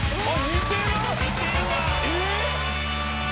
似てるわ。